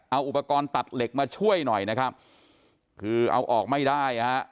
เอาอุปกรณ์ตัดเหล็กมาช่วยหน่อยนะครับคือเอาออกไม่ได้ฮะ